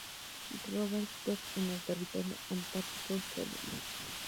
Robertson en el Territorio Antártico Australiano.